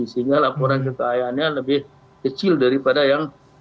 sehingga laporan kekayaannya lebih kecil daripada yang